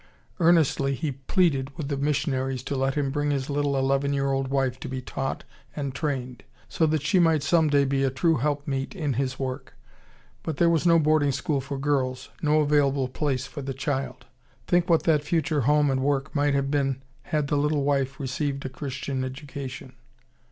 Earnestly he pleaded with the missionaries to let him bring his little eleven year old wife to be taught and trained so that she might some day be a true help meet in his work. But there was no boarding school for girls, no available place for the child. Think what that future home and work might have been had the little wife received a Christian education!